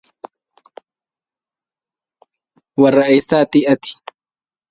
هو يدرس بجامعة طوكيو